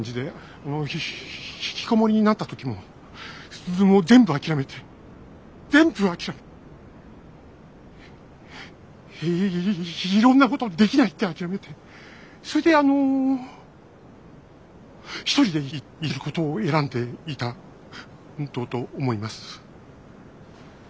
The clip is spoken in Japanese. あのひひひひきこもりになった時ももう全部諦めて全部諦めていいいいろんなこと「できない」って諦めてそれであの１人でいることを選んでいたとと思います。